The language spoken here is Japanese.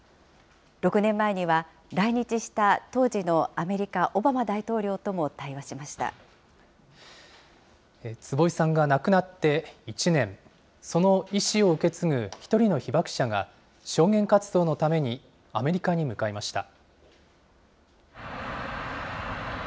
６年前には来日した当時のアメリカ、オバマ大統領とも対話しまし坪井さんが亡くなって１年、その遺志を受け継ぐ１人の被爆者が、証言活動のためにアメリカに向かいました。